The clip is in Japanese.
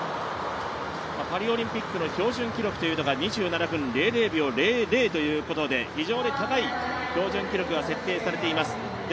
パリオリンピックの標準記録が２７分００秒００ということで非常に高い標準記録が設定されています。